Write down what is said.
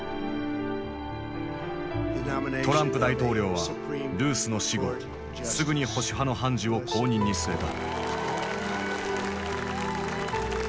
トランプ大統領はルースの死後すぐに保守派の判事を後任に据えた。